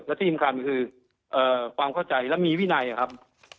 และที่สำคัญคือความเข้าใจและมีวินัยครับ